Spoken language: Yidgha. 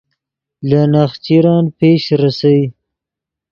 لے نخچرن پیش ریسئے